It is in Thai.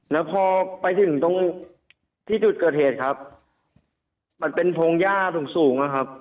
แล้วพอไปถึงตรงที่จุดเกิดเหตุครับมันเป็นพงหญ้าสูงสูงอะครับ